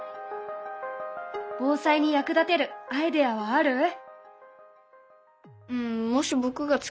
防災に役立てるアイデアはある？